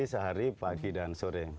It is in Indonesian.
sehari pagi dan sore